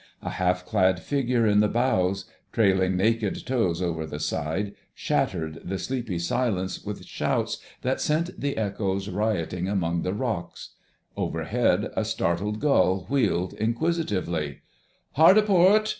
A half clad figure in the bows, trailing naked toes over the side, shattered the sleepy silence with shouts that sent the echoes rioting among the rocks. Overhead a startled gull wheeled inquisitively. "Hard a port!